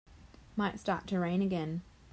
Might start to rain again.